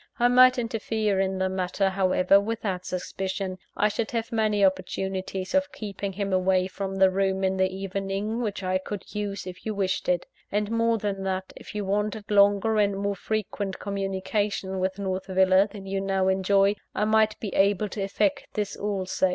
I might interfere in the matter, however, without suspicion; I should have many opportunities of keeping him away from the room, in the evening, which I could use if you wished it. And more than that, if you wanted longer and more frequent communication with North Villa than you now enjoy, I might be able to effect this also.